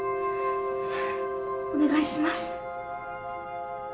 お願いします。